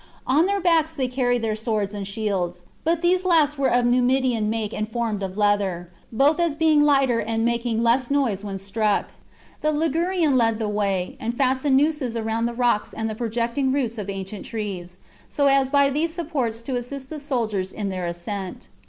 On their backs they carried their swords and shields, but these last were of Numidian make and formed of leather, both as being lighter and making less noise when struck. The Ligurian led the way and fastened nooses round the rocks and the pro jecting roots of ancient trees, so as by these supports to assist the soldiers in their ascent.